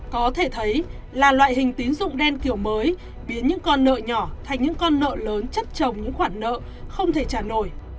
có thể thấy là loại hình tín dụng đen kiểu mới biến những con nợ nhỏ thành những con nợ lớn chất trồng những khoản nợ không thể trả nổi